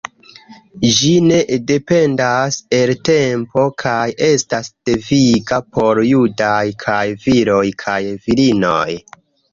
Ĝi ne dependas el tempo kaj estas deviga por judaj kaj viroj kaj virinoj.